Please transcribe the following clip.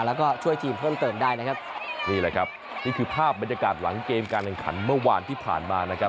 แล้วก็ช่วยทีมเพิ่มเติมได้นะครับนี่แหละครับนี่คือภาพบรรยากาศหลังเกมการแข่งขันเมื่อวานที่ผ่านมานะครับ